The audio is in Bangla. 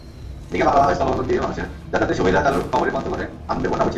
এদিকে বাংলাবান্ধা স্থলবন্দর দিয়ে মানুষের যাতায়াতের সুবিধার চালুর খবরে পঞ্চগড়ে আনন্দের বন্যা বইছে।